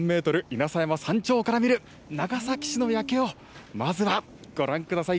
稲佐山山頂から見る長崎市の夜景を、まずはご覧ください。